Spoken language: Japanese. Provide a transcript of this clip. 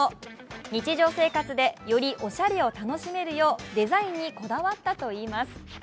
日常生活で、よりおしゃれを楽しめるようデザインにこだわったといいます。